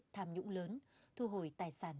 tham nhũng lớn thu hồi tài sản